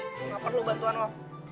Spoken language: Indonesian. gak perlu bantuan lo